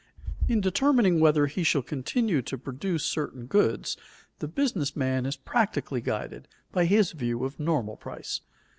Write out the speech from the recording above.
In determining whether he shall continue to produce certain goods, the business man is practically guided by his view of normal price.